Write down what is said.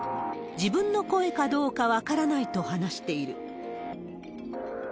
自分の声かどうか分からないと話している。